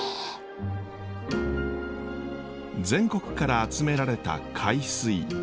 全国から集められた海水。